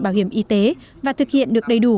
bảo hiểm y tế và thực hiện được đầy đủ